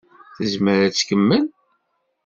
Tezmer ad tkemmel?